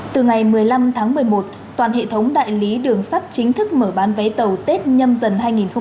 từ ngày một mươi năm tháng một mươi một toàn hệ thống đại lý đường sắt chính thức mở bán vé tàu tết nhâm dần hai nghìn hai mươi bốn